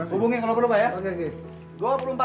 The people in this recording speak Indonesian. hubungi kalau perlu pak ya